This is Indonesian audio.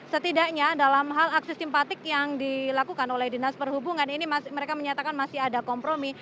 setidaknya dalam hal akses simpatik yang dilakukan oleh dinas perhubungan ini mereka menyatakan masih ada kompromi